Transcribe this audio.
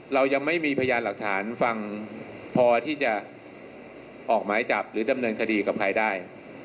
เรายังไม่มีพยานหลักฐานฟังพอที่จะออกหมายจับหรือดำเนินคดีกับใครได้